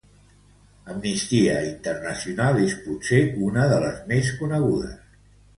Amnistia Internacional és potser una de les més conegudes.